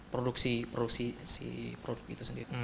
produksi produksi si produk itu sendiri